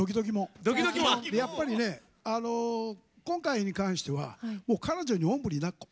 やっぱり今回に関しては彼女に、おんぶにだっこ！